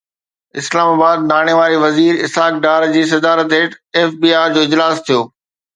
اسلام آباد ۾ ناڻي واري وزير اسحاق ڊار جي صدارت هيٺ ايف بي آر جو اجلاس ٿيو